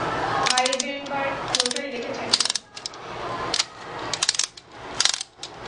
Heisenberg পুরোটাই দেখেছেন।